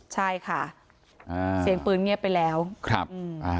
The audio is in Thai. ใช่ค่ะอ่าเสียงปืนเงียบไปแล้วครับอืมอ่า